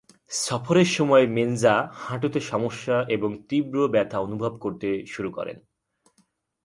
সফরের সময় মেনজা হাঁটুতে সমস্যা এবং তীব্র ব্যথা অনুভব করতে শুরু করেন।